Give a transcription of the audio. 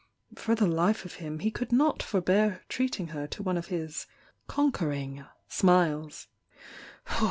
For the life of hun he could not forbear treating her to one of his "conquer ing" smiles.